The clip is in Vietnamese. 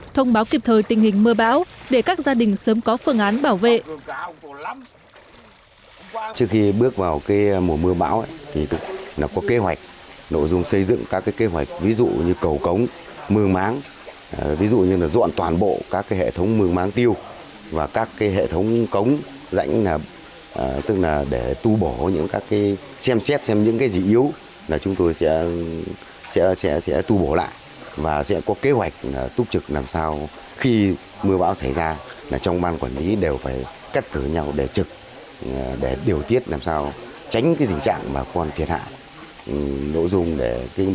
thông báo kịp thời tình hình mưa bão để các gia đình sớm có phương án bảo vệ